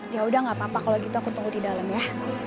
ya udah gak apa apa kalau gitu aku tunggu di dalam ya